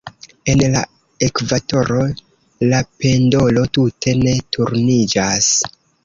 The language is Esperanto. En la ekvatoro, la pendolo tute ne turniĝas.